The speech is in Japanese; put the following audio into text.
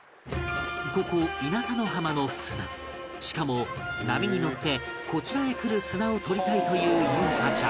ここ稲佐の浜の砂しかも波に乗ってこちらへ来る砂を取りたいという裕加ちゃん